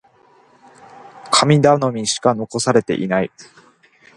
神頼みしか残されていない。